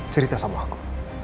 cerita sama aku